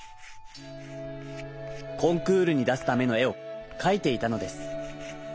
コンクールにだすためのえをかいていたのです。